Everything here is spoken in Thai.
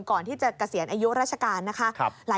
ก่อนที่จะเกษียณอายุราชการนะคะ